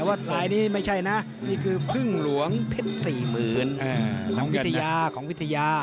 แต่ว่าสายนี้ไม่ใช่นะนี่คือพึ่งหลวงเพชร๔๐๐๐๐ของวิทยา